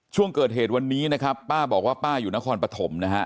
ช่วงเกิดเหตุวันนี้นะครับป้าบอกว่าป้าอยู่นครปฐมนะฮะ